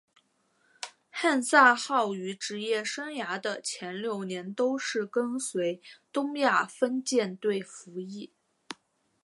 汉萨号于职业生涯的前六年都是跟随东亚分舰队服役。